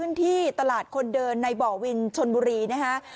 ส่วนมาตรีอยู่ที่ตลาดคนเดินในบ่อวิญชนบุรีนะค่ะ